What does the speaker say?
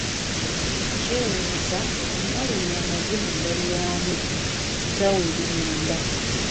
Kyewuunyisa omuwala oyo amaze mu ndabirwamu essaawa emu nnamba.